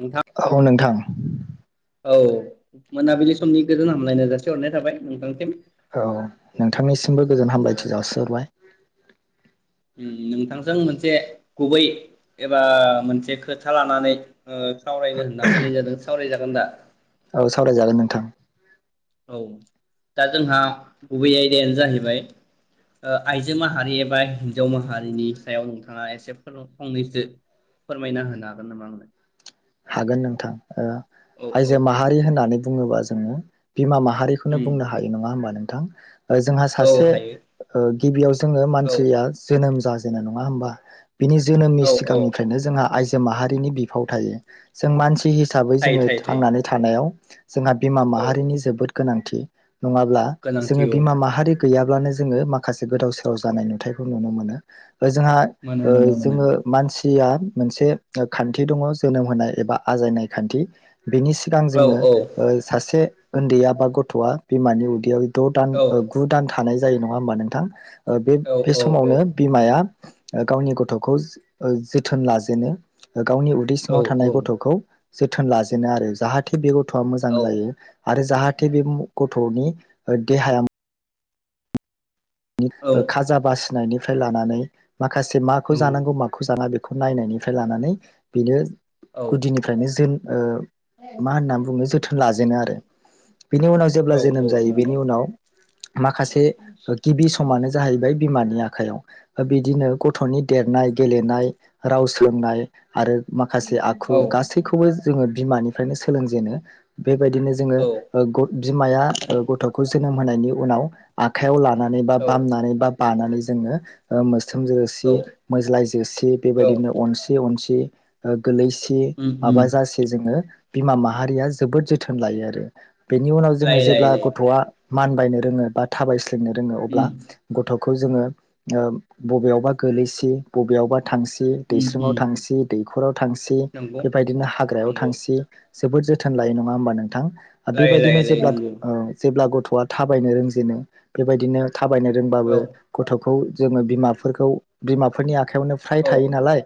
नोंथां औ नोंथां। [inaudible] औ मोनाबिलि समनि गोजोन हामलायनाय जासि हरनाय थाबाय नोंथांसिम। औ नोंथांनिसिमबो गोजोन औ हामलायथि जासिहरबाय। उम नोंथांजों मोनसे गुबै एबा मोनसे खोथा लानानै ओ सावरायनो होनना फैनाय जादों सावरायजागोन दा? औ सावरायजागोन नोंथां। औ दा जोंहा गुबै आयदायानो जाहैबाय ओ आइजो माहारि एबा हिन्जाव माहारिनि सायाव नोंथाङा एसे फोरब फंनैसो फोरमायना होनो हागोन नामा आंनो? हागोन नोंथां ओ औ औ आायजो औ माहारि होननानै बुङोबा जों [unintelligible] बिमा माहारिखौनो उम बुंनो हायो नङा होनोमबा नों थां। ओ जोंहा औ सासे हायो ओ गिबियाव जोङो औ मानसिया जोनोम जा जोंना नङा होमबा? बिनि जोनोमनि औ औ सिगांनिफ्रायनो जोंहा आइजो‌ जे माहारिनि बिफाव थायो। जों मानसि हि हिसाबै थायो जोङो थायो थायो थांनानै थानायाव जोंहा बिमा औ माहारिनि जोबोद गोनांथि। नङाब्ला गोनांथि जोङो औ बिमा माहारि गैया अब्लानो जोङो माखासे गोदाव सोराव जानाय नुथायखौ नुनो मोनो। ओ जोंहा मोनो ओ मोनो मोनो जोङो मानसि जिया मोनसे ओ खान्थि दङ' जोनोम होनाय एबा आजायनाय खान्थि। बेनि सिगां औ जोङो औ ओ सासे ओन्दैया बा गथ'आ बिमानि उदैयाव द' दान औ ओ गु दान थानाय जायो नङा होमबा नोंथां। ओ बे बे औ समावनो बिमाया ओ गावनि गथ'ओ जोथोन लाजेनो गावनि उ औ ङाव थानाय गथ'खौ जोथोन लाजेनो आरो जाहाथे बे गथ'आ मोजां औ जायो आरो जाहाथे बे म ग थ'नि देहाया औ [unintelligible] खाजा बा नायनिफ्राय लानानै माखासे माखौ नंगौ जानांगौ माखौ जानाङा बे खौ नायनायनिफ्राय लानानै बेनो औ गुदिनिफ्रायनो जों ओ मा होननानै बुनो जोथोन लाजेनो आरो। बेनि उनाव औ जेब्ला औ जोनोम जायो बेनि नंगौ उनाव माखासे बि समानो जाहैबाय बिमानि आखाइयाव बिदिनो गथ'नि देरनाय, गेलेनाय, राव सोलोंनाय आरो माखासे आखु औ गासैखौबो जोङो बिमानि फ्रायनो सोलोंजेनो बेबायदिनो जोङो औ ओ ग बिमाया गथ'खौ जो जोनोम होनायनि उनाव आखायाव ला नानै बा औ बामनानै बा बानानै जोङो ओ मोस्रोम जोसि, औ मोज्लाय जोसि औ बेबायदिनो अनसि अनसि ओ गोलैसि उम उम माबा जासे जोङो बिमा माहारिया जोबोद जोथोन लायो आरो बेनि उनाव जोङो लाय लाय जेब्ला लाय गथ'वा मानबायनो रोङो बा थाबायस्लिंनो रोङो अब्ला उम गथ' खौ जोङो ओ बबेयावबा गोलैसि बबेयावबा थांसै उम दैस्लुंङाव उम थांसि, दैखराव थांसि नंगौ बेबायदिनो हाग्रायाव नंगौ थांसि जोबोद जोथोन लायो नङा होमबा नोंथां। लाय बेबायदिनो लाय लाय जेब्ला नंगौ ओ जेब्ला गथ' गथ'वा थाबायनो रोंजेनो बेबायदिनो थाबायनो रोंबाबो औ गथ'खौ जोङो बिमा फोरखौ बिमाफोरनि आखायावनो फ्राय औ थायो नालाय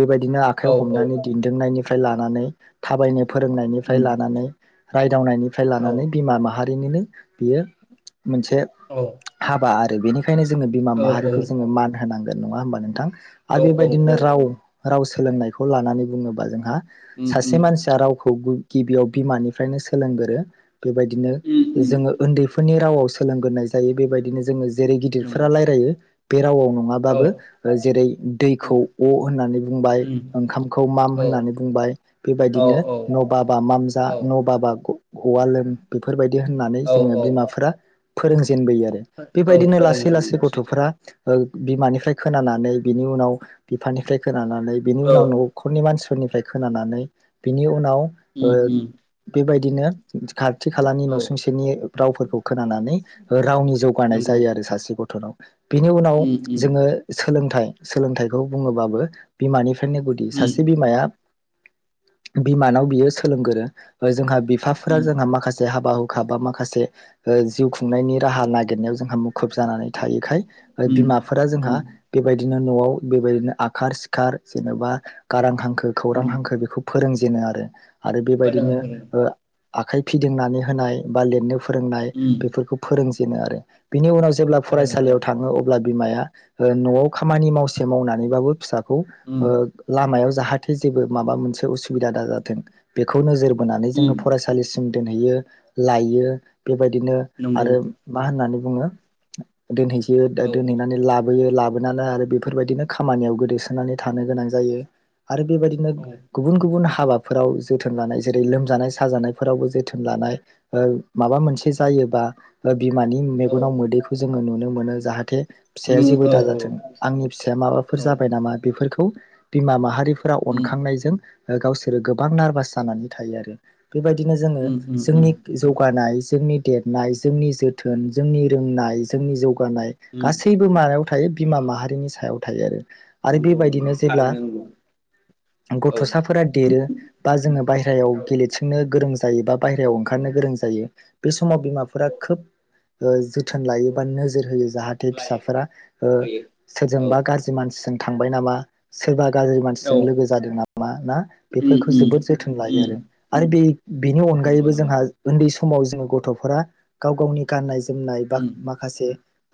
बेबायदिनो आखायाव औ औ हमनानै दिन्दोंनायनि निफ्राय लानानै थाबायनो फोरोंनायनिफ्राय उम लानानै रायदावनायनि निफ्राय औ लानानै बिमा माहारि बेनिनो बियो मोनसे औ हाबा [inaudible] बेखायनो जोङो बिमा औ औ माहारिखौ जोङो मान होनां गो नङा होमबा नोंथां? आरो औ औ बेबायदिनो राव राव सो लोंनायखौ लानानै बुङोबा जोंहा उम सासे उम मानसिया रावखौ गिबियाव बिमानिफ्रायनो सोलोंगोरो बेबायदिनो उम उम जोंङो उन्दै फोरनि राव सोलोंगोरनाय जायो बेबायदिनो जोंङो जेरै गिदिरफोरा नंगौ रायजयो बेे राव औ नङाबाबो ओ जेरै उम दैखौ अ' होननानै बुंबाइ उम ओंखामखौ माम औ होननानै बुंबाइ औ बेबाइदिनो औ न बाबा माम जा न औ बाबा अ आ लोन बेफोरबादि होननानै जों औ औ बिमाफ्रा फोरों जेनबोयो आरो औ बेबायदिनो लासै फोरोङो लासै नंगौ गथफोरा सैथो बिमानिफ्राय खोनानानै बिनि उनाव बिफानिफ्राय खोन लानानै बिनि औ उनाव नखरनि मानसिफोर फोरनिफ्राय खोनानानै बिनि उनाव उम ओ उम बेबायदि बिदिनो खाथि खालानि औ नसुंसेनि रावफोरखौ खोनानानै रावनि जौगानाय नंगौ जायो आरो सासे गथनाव। बिनि उनाव उम उम जोंङो सोलोंथाइ सोलोंथाइखौ बुंङोबाबो बिमानि नो गुदि उम सासे बिमाया बिमानाव बियो सोलोंगोरो। जोंहा बिफाफोरा उम जोंहा माखासे हाबा हुखा बा माखासे जिउ जिउ खुंनाइनि राहा नागेरनायाव जोंहा मुखुब जानानै थायोखाय उम बिमाफोरा जों हा उम बेबादि बिदिनो नआव बेबायदिनो आखार सिखार जेनबा गारां हांखो खौरां उम हांखो बेखौ फोरों बिदिनो आरो आरो फोरोङो बेबायदिनो फोरोङो ओ आखाइ फिदिंनानै होनाय बा लिरनो फोरोंनाय उम फोरोंजेनो आरो बिनि उनाव जेब्ला फोरोङो औ फरायसालियाव थांङो अब्ला बिमाया नआव खामानि माव से मावनानैबाबो फिसाखौ उम लामायाव जाहाथे जेबो माबा मोनसे उसु बिदा दाजाथों बेखौ नोजोर बोनानै उम जोंङो फरायसालिसिम दोनहैयो लाययो बेबायदिनो नंगौ आरो मा होननानै बुङो दोनहैसै- औ दोनहैनानै ला बोयो लाबोनानै आरो बेफोरबायदिनो खामानियाव गोदैसोनानै थानो गोनां जायो। आरो बेबायदिनो औ गुबुन गुबुन हाबाफोराव जोथोन लानाय जेरै लोमजानाय साजानायफोरावबो जोथोन लानाय माबा मोनसे जायोबा, [inaudible] बिमानि औ मेगनाव मोदैखौ जोङो नुनो मोनो जाहाथे फिसाया नु जेबो औ औ दाजाथों आंनि फिसाया माबाफोर औ जाबाय नामा बेफोरखौ बिमा माहारि फोरा उम अनखांनायजों गावसोरो गोबां नारभास जानानै थायो आरो बेबायदिनो जोङो उम उम उम जोंनि जौगानाय जोंनि देरनाय जोंनि जोथोन जोंनि रोंनाय जोंनि जौगानाय उम गासैबो मायाव थायो बिमा माहारिनि सायाव थायो आरो आरो नंगौ नंगौ बेबायदिनो जेब्ला थारैनो नंगौ औ गथ'साफोरा देरो बा जोङो बाहेरायाव औ गेलेथिंनो गोरों जा जायो दा बायहेरायाव औ ओंखारनो गोरों जायो बे समाव बिमाफोरा खोब ओ जो थोन औ लायोबा नोजोर होयो जाहाथे लायो फिसाफोरा होयो औ सोरजोंबा गाज्रि मानसिजों थांबाय नामा सोरबा गाज्रि औ मानसिजों लोगो जादों नामा ना उम बेफोरखौ जोबोद उम जोथोन लायो उम आरो। आरो बे बेनि नंगौ अनगायैबो नंगौ जोंहा उन्दै सम समाव जोङो गथ'फोरा गाव गावनि गाननाय जो जोमनाय बा उम माखासे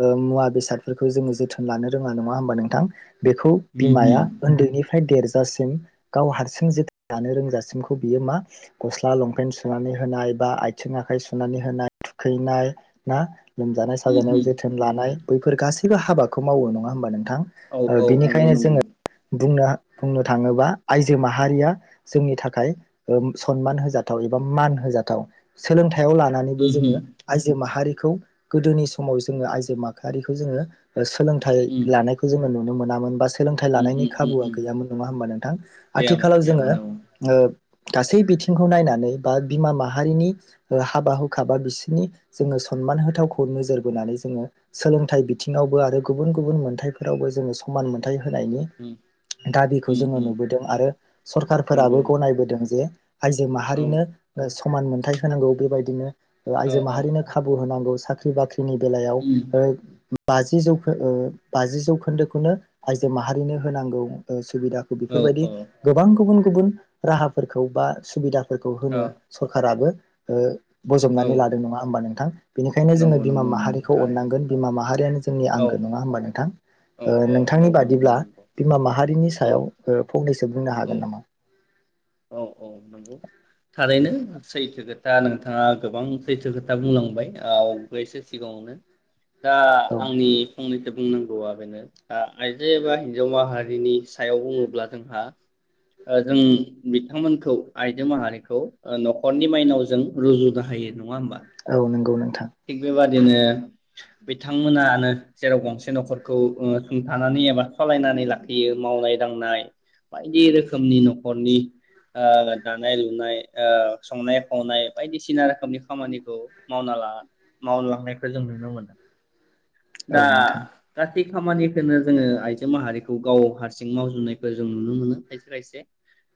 ओ मुवा बेसादफोरखौ जोङो जोथोन लानो रोङा नङा होमबा नोंथां? बेखौ उम बिमाया उम उन्दैनि फ्राय देरजासिम गाव हारसिं जोथोन लानो रोंजासिमखौ बियो मा गस्ला लंपेन सुनानै होनाय बा आथिं आखाइ सुनानै होनाय थुखैनाय ना लोमजानाय उम साजानायाव उम जोथोन लानाय। बैफोर गासैबो हाबाखौ मावो नङा होमबा नोंथां औ ओ औ नंगौ बिनिखायनो नंगौ जोंङो बुंनो बुंनो थाङोबा आयजो माहारिया जोंनि थाखाय ओ सनमान होजाथाव एबा मान होजाथाव सोलोंथाइयाव लानानै उम जोंङो आइजो माहारि खौ गोदोनि समाव जोंङो आइजो माखारिखौ जोंङो ओ सोलोंथाइ उम लानायखौ जोंङो नुनो मोन नामोन बा सोलोंथाइ उम लानायनि उम खाबुआ उम गैयामोन नङा होमबा नोंथां गैयामोन आथिखालाव जोंङो गैयामोन औ ओ गासै बिथिंखौ नायनानै बा बिमा माहारिनि ओ हाबा हु खाबा बिसोरनि जोंङो सनमान होथावखौ नोजोर बोनानै जोंङो सोलोंथाइ बिथिङावबो आरो गुबुन गुबुन मोनथायफोरावबो जोंङो समान मोन्थाय होनायनि उम दाबिखौ जोंङो उम उम नुबोदों आरो नंगौ सरखारफोराबो गनायबोदों जे आइजो औ माहारिनो ओ स समान मोनथाय होनांगौ बेबायदिनो ओ औ आइजो औ माहारिनो खाबु होनांगौ । साख्रि बाख्रि नि बेलायाव उम ओ बाजि जौखो ओ बाजि जौखोन्दोखौनो आइजो माहारिनो होनांगौ ओ सुबिदाखौ औ बेफोरबायदि गोबां गुबुन गुबुन गुबुन राहाफोरखौ बा सुबिदा फोरखौ औ होनो सरखाराबो ओ औ बजबनानै लादों नङा होमबा नों थां बेनिखायनो जोंङो नंगौ बिमा नंगौ नंगौ माहारिखौ थारैनो अननांगोन बिमा माहारियानो जोंनि औ आंगो नङा होमबा नोंथां? औ औ नोंथांनि औ नंगौ बादिब्ला नंगौ बिमा माहारिनि औ सायाव फंनैसो बुंनो औ हागोन नामा? औ । औ नंगौ थारैनो । सैथो खोथा नोंथाङा गोबां सैथो खोथा बुंलांबाय आवगायसो सिगाङावनो । दा औ आंनि फंनै बुंनांगौआ बेनो दा आइजो एबा हिन्जाव माहारिनि सायाव बुङोब्ला जोंहा ओ जों बिथांमोनखौ आइजो माहारिखौ नखरनि माइनाव जों रुजुनो हायो नङा होमबा? औ नंगौ नों थिग [unintelligible] बिदिनो बिथांमोनानो जेराव गंसे नखरखौ ओ सुंथानानै एबा सलायनानै लाखियो मावनाय दांनाय बायदि रोखोमनि नखरनि ओ दानाय लुनाय ओ संनाय खावनाय बायदिसिना रोखोमनि खामानिखौ मावना ला मावलांनायखौ जों नुनो मोनो। औ दा नोंथां [unintelligible] बे खामानिखौनो जोङो आइजो माहारिखौ गाव हारसिं मावजोबनायखौ जों नुनो मोनो खायसे खायसे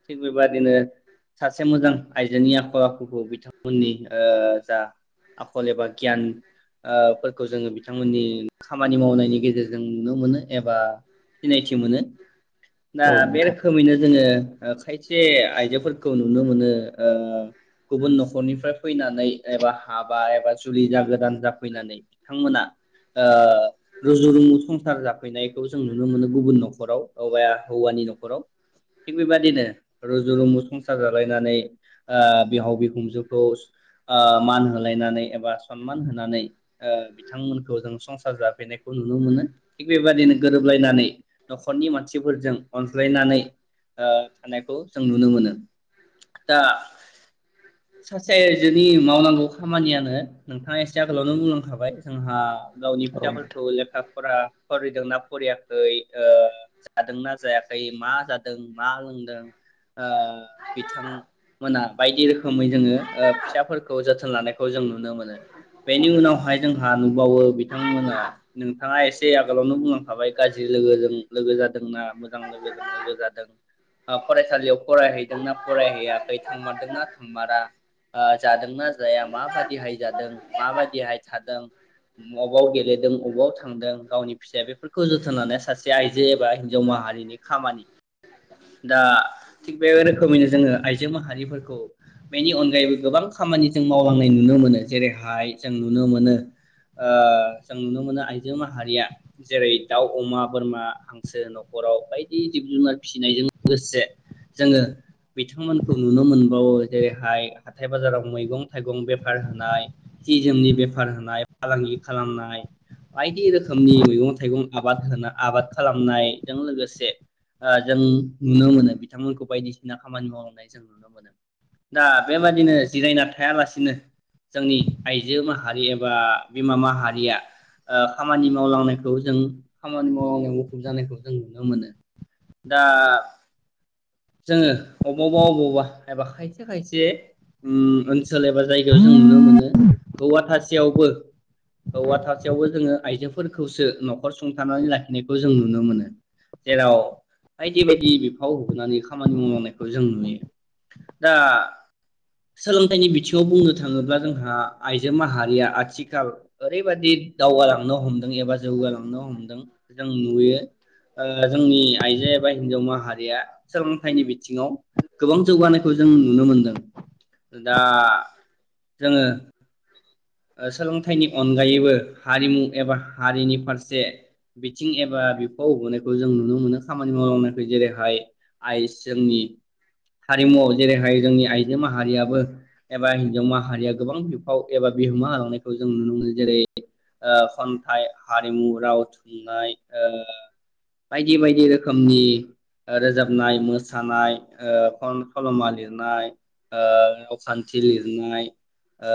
थिग बेबादिनो सासे मोजां आइजोनि आखल आखुखौ बिथांमोननि ओ जा आ खल एबा गियानफोरखौ जोङो बिथांमोननि खामानि मावनायनि गेजेरजों नुनो मोनो एबा सिनायथि मोनो। दा औ बे नोंथां रोखोमैनो जोङो ओ खायसे आयजोफोरखौ नुनो मोनो ओ गुबुन नखरनिफ्राय फैनानै एबा हा बा एबा जुलि जागोदान जाफैनानै बिथांमोना ओ रुजु रुमु संसार जाफैनायखौ जों नुनो मोनो गुबुन नखराव बा हौवानि नखराव थिग बेबादिनो रुजु रुमु संसार जालायनानै ओ बिहाव बिहुनजोखौ ओ मान होलायनानै एबा सनमान होनानै ओ बिथांमोनखौ जों संसार जाफैनायखौ नुनो मोनो थिग बेबायदिनो गोरोबलायनानै नखरनि मानसिफोरजों अनज्लायनानै ओ थानायखौ जों नुनो मोनो दा सासे आयजोनि मावनांगौ खामानियानो नोंथाङा ए से आगोलावनो बुंलांखाबाय जोंहा गावनि औ नोंथां फिसाफोरखौ लेखा फरा फरायदोंना फरायाखै ओ जादोंना जायाखै मा जादों मा लोंदों ओ बिथांमोना बायदि रोखो मै जोङो ओ फिसाफोरखौ जो थोन लानाय खौ जों नुनो मोनो बेनि उनावहाय जोंहा नुबावो बिथांमोना नोंथाङा एसे आगोलावनो बुंलांखाबाय गाज्रि लोगोजों लोगो जादोंना मोजां लोगोजों लोगो जादों ओ फरायसालियाव फरायहैदोंना फरायहैयाखै थांमारदोंना थांमारा ओ जादोंना जाया मा [unintelligible] माबायदिहाय थादों बबाव गेलेदों अबाव थांदों गावनि फिसाया बेफोरखौ जो थोन लानाया सासे आइजो एबा हिनजाव माहारिनि खामानि दा थिग बे रोखोमैनो जोङो आइजो माहारिफोरखौ बेनि अनगायैबो गोबां खामानि जों मावलांनाय नुनो मोनो जेरैहाय जों नुनो मोनो ओ जों नुनो मोनो आइजो माहारिया जेरै दाउ अमा बोरमा हांसो नखराव बायदि जिब जुनार फिनायजों लोगोसे जोङो बिथांमोनखौ नुनो मोनबावो जेरैहाय हाथाय बाजाराव मैगं थाइगं बे फार होनाय सि जोमनि बेफार होनाय फालांगि खालामनाय बायदि रोखोमनि मैगं थाइगं आबाद होना आबाद खालामनायजों लोगोसे ओ जों नुनो मोनो बिथांमोनखौ बायदिसिना खामानि मावलांनाय जों नुनो मोनो दा बेबादिनो जिरायना थायालासिनो जोंनि आइजो माहारि एबा बिमा माहारिया ओ खामानि मावलांनायखौ जों खामानि मावलांनायाव मुखुब जानायखौ जों नुनो मोनो। दा जोङो अबावबा अबावबा एबा खायसे खायसे उम ओनसोल एबा जायगायाव जों नुनो मोनो हौवा थासेयावबो हौवा थासेयावबो जोङो आइजोफोरखौसो नखर सुंथानानै लाखिनायखौ जों नुनो मोनो जेराव बायदि बायदि बिफाव होनानै खामानि मावलांनायखौ जों नुयो दा सोलोंथाइनि बिथिङाव बुंनो थाङोब्ला जोंहा आइजो माहारिया आथिखाल ओरैबादि दावगालांनो हमदों एबा जौगालांनो हमदों जों नुयो ओ जोंनि आइजो एबा हिनजाव माहारिया सोलोंथाइनि बिथिङाव गोबां जौगानायखौ जों नुनो मोनदों दा जोङो ओ सोलोंथाइनि अनगायैबो हारिमु एबा हारिनि फारसे बिथिं एबा बिफाव होबोनायखौ जों नुनो मो नुनो खामानि मावलांनायखौ जेरैहाय आइ जोंनि हारिमुआव जेरैहाय जोंनि आइजो माहारियाबो एबा हिनजाव माहारिया गोबां बिफाव एबा बिहोमा होलांनायखौ जों नुनो मोनो जेरै ओ खन्थाइ हारिमु राव थुनलाइ ओ बायदि बायदि रोखोमनि ओ रोजाबनाय मोसानायन ओ फन सल'मा लिरनाय ओ रावखान्थि लिरनाय ओ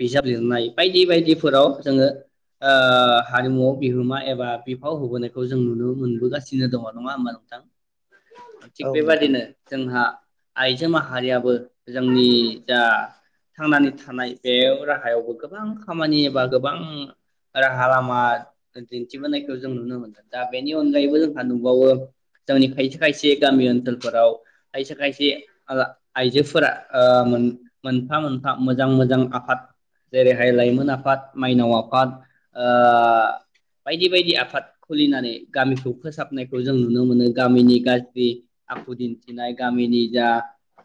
बिजाब लिरनाय बायदि बायदिफोराव जोङो ओ हारिमुआव बिहोमा एबा बिफाव होबोनायखौ जों नुनो मोनबोगासिनो दङ नङा होमबा नोंथां? थिग औ नोंथां। बेबादिनो जोंहा आइजो माहारियाबो जोंनि जा थांनानै थानाय बेयाव राहायावबो गोबां खामानि एबा गोबां राहा लामा दिन्थिबोनायखौ जों नुनो मोनदों दा बेनि अनगायैबो जोंहा नुबावो जोंनि खायसे खायसे गामि ओनसोलफोराव खायसे खायसे आइ आइजोफोरा ओ मोनफा मोनफा मोजां मोजां आफाद जेरैहाय लाइमोन आफाद माइनाव आफाद ओ बायदि बायदि आफाद खुलिनानै गामिखौ फोसाबनायखौ जों नुनो मोनो गामिनि गाज्रि आखु दिन्थिनाय गामिनि जा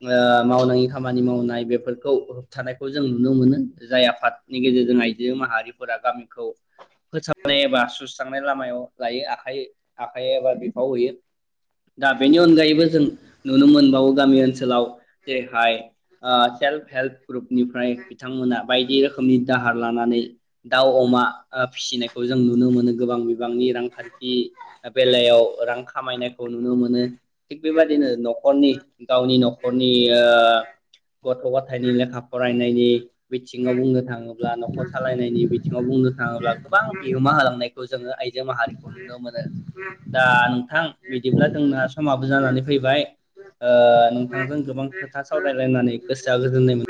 ओ मावनायनि खामानि मावनाय बेफोरखौ होबथानायखौ जों नुनो मोनो जाय आफादनि गेजेरजों आइजो माहारिफोरा गामिखौ फोसाबनाय एबा सुस्रांनाय लामायाव लायो आखाइ आखाइ एबा बिफाव होयो दा बेनि अनगायैबो जों नुनो मोनबावो गामि ओनसोलाव जेरैहाय आ सेल्फ हेल्प ग्रुपनिफ्राय बिथांमोना बायदि रोखोमनि दाहार लानानै दाउ अमा ओ फिसिनायखौ जों नुनो मोनो गोबां बिबांनि रांखान्थि बेलायाव रां खामायनायखौ नुनो मोनो थिग बेबदिनो न'खरनि गावनि न'खरनि ओ गथ' गथायाइनि लेखा फरायनायनि बिथिङाव बुंनो थाङोब्ला न'खर सालायनायनि बिथिङाव बुंनो थाङोब्ला गोबां बिहोमा होलांनायखौ जोङो आइजो माहारिखौ नुनो मोनो दा नोंथां बिदिब्ला जोंना समाबो जानानै फैबाय ओ नोंथांजों गोबां खोथा सावरायलायनानै गोसोआ गोजोननाय मोनो